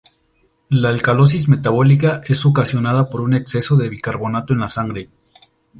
La alcalosis metabólica es ocasionada por un exceso de bicarbonato en la sangre.